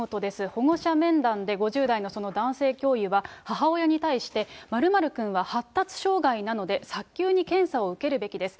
保護者面談で５０代のその男性教諭は、母親に対して、○○君は発達障害なので早急に検査を受けるべきです。